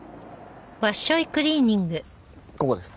ここです。